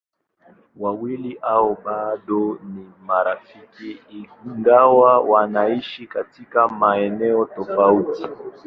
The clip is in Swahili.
Wawili hao bado ni marafiki ingawa wanaishi katika maeneo tofauti.